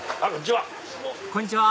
こんちは！